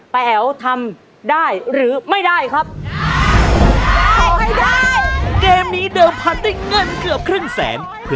ป้าแอ๋วทำได้หรือไม่ได้ครับ